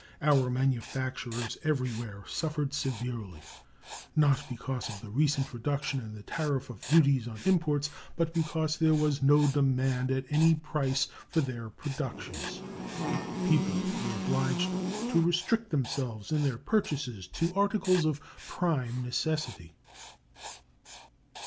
Our manufacturers everywhere suffered severely, not because of the recent reduction in the tariff of duties on imports, but because there was no demand at any price for their productions. The people were obliged to restrict themselves in their purchases to articles of prime necessity.